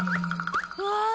うわ！